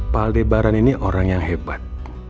pak aldebaran ini orang yang hebat